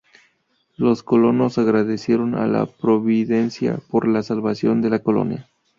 Los colonos agradecieron a la Providencia por la salvación de la colonia.